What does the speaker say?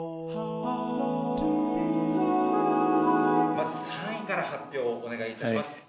まず３位から発表をお願いいたします。